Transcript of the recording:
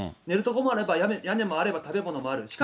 寝る所もあれば、屋根もあれば、食べ物もある。